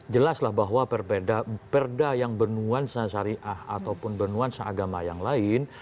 jelaslah bahwa perda yang benuan se sariah ataupun benuan se agama yang lain